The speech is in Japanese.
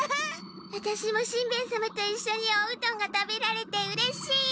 ワタシもしんべヱ様といっしょにおうどんが食べられてうれしい！